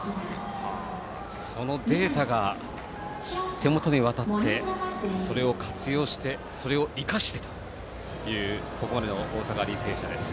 そのデータが手元に渡ってそれを活用してそれを生かしてというここまでの大阪、履正社です。